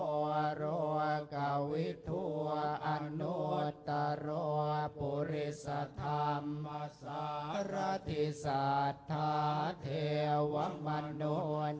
สุขะตัวโรววะกวิทัววะอันตุววะตัวโรววะปุริสถังสาระทิสัทธาธิววะมานู้น